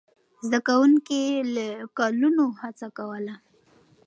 زده کوونکي له کلونو هڅه کوله.